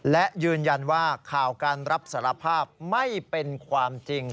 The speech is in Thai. และยืนยันว่าข่าวการรับสารภาพไม่เป็นความจริง